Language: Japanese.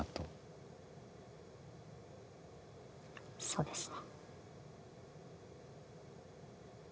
そうです。